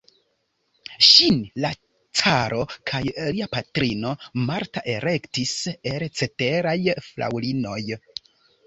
Ŝin la caro kaj lia patrino Marta elektis el ceteraj fraŭlinoj.